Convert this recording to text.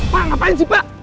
pak ngapain sih pak